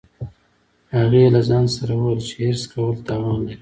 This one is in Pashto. هغې له ځان سره وویل چې حرص کول تاوان لري